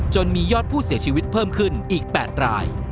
มียอดผู้เสียชีวิตเพิ่มขึ้นอีก๘ราย